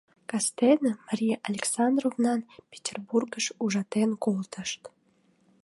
Кастене Мария Александровнам Петербургыш ужатен колтышт.